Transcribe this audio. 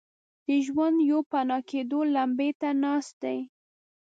د ژوند پوپناه کېدو لمبې ته ناست دي.